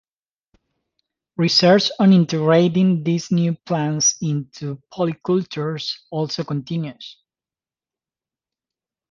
Research on integrating these new plants into polycultures also continues.